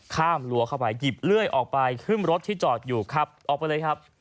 รั้วเข้าไปหยิบเลื่อยออกไปขึ้นรถที่จอดอยู่ขับออกไปเลยครับ